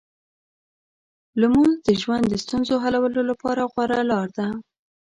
لمونځ د ژوند د ستونزو حلولو لپاره غوره لار ده.